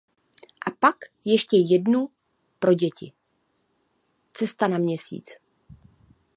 A pak ještě jednu pro děti "Cesta na Měsíc".